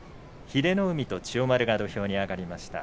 英乃海と千代丸が土俵に上がりました。